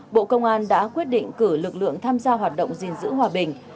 bộ công an đã quyết định cử lực lượng tham gia hoạt động gìn giữ hòa bình